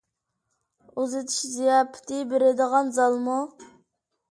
ئۇزىتىش زىياپىتى بېرىدىغان زالمۇ؟